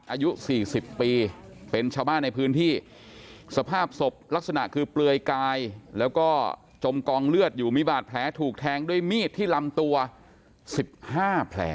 อายุสี่สิบปีเป็นชาวบ้านในพื้นที่สภาพศพลักษณะคือเปลวยกายและก็จมกองรอยหมาอยู่ถูกแทงด้วยมีดที่ลำตัวสิบห้าแผล